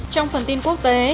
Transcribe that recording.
trong phần tin quốc tế